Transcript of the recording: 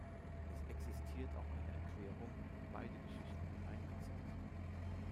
Es existiert auch eine Erklärung, die beide Geschichten miteinbezieht.